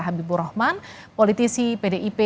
habibur rahman politisi pdip